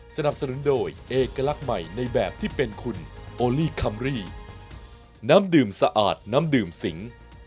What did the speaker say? สนับสนุนโดยเอกลักษณ์ใหม่ในแบบที่เป็นคุณโอลี่คัมรี่น้ำดื่มสะอาดน้ำดื่มสิง